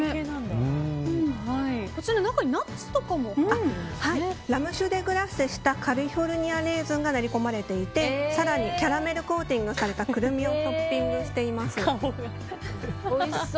こちら、中にナッツとかもラム酒でグラッセしたカリフォルニアレーズンが練り込まれていてキャラメルコーティングされたクルミをトッピングしています。